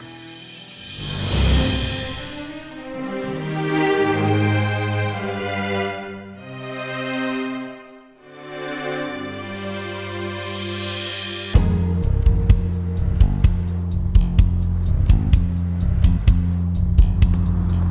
apakah kamu tenang bahwa saya